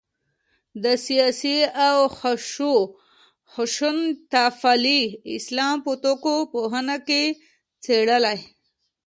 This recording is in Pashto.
د سیاسي او خشونتپالي اسلام په توکم پوهنه کې څېړلای.